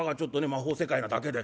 魔法世界なだけで。